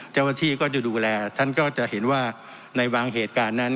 เจ้าหน้าที่ก็จะดูแลท่านก็จะเห็นว่าในบางเหตุการณ์นั้น